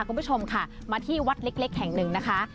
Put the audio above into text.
คุณผู้ชมค่ะมาที่วัดเล็กแห่งหนึ่งนะคะ